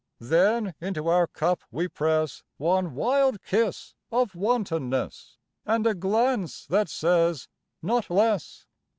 Then into our cup we press One wild kiss of wantonness, And a glance that says not less.